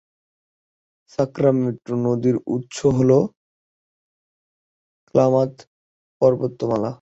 সাক্রামেন্টো নদীর উৎস হল ক্লামাথ পর্বতমালা।